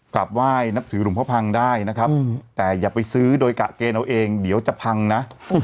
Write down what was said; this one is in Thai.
กลับไหว้นับถือหลวงพ่อพังได้นะครับแต่อย่าไปซื้อโดยกะเกณฑ์เอาเองเดี๋ยวจะพังนะ